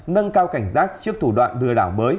nâng cao cảnh giác trước thủ đoạn lừa đảo mới